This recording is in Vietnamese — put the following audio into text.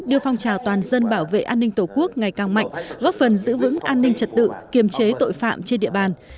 đưa phong trào toàn dân bảo vệ an ninh tổ quốc ngày càng mạnh góp phần giữ vững an ninh trật tự kiềm chế tội phạm trên địa bàn